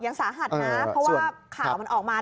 ยังสาหัสนะเพราะว่าข่าวมันออกมา